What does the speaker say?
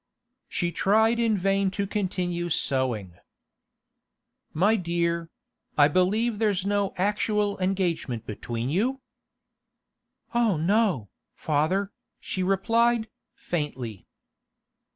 She tried in vain to continue sewing. 'My dear—I believe there's no actual engagement between you?' 'Oh no, father,' she replied, faintly.